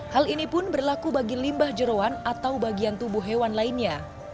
hal ini pun berlaku bagi limbah jerawan atau bagian tubuh hewan lainnya